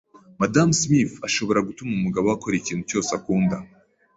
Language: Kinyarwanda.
Madamu Smith ashobora gutuma umugabo we akora ikintu cyose akunda.